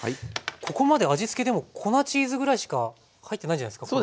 ここまで味付けでも粉チーズぐらいしか入ってないんじゃないですか？